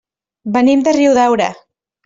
Venim de Riudaura.